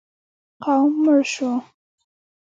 قوم مړ شو.